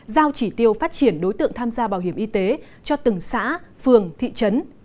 giao chỉ tiêu phát triển đối tượng tham gia bảo hiểm y tế cho từng xã phường thị trấn